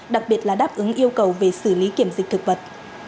đặc biệt là đáp ứng yêu cầu về xử lý kiểm dịch thực vật